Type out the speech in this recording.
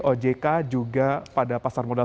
ojk juga pada pasar modal